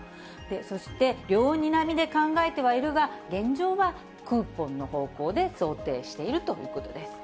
そして、両にらみで考えてはいるが、現状はクーポンの方向で想定しているということです。